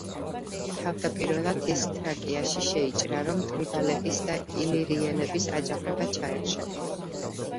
თავდაპირველად ის თრაკიაში შეიჭრა, რომ ტრიბალების და ილირიელების აჯანყება ჩაეხშო.